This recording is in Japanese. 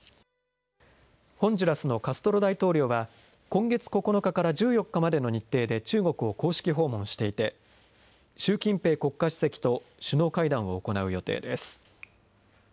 ホンジュラスのカストロ大統領は、今月９日から１４日までの日程で中国を公式訪問していて、習近平国家主席と首脳会談を行う予定です。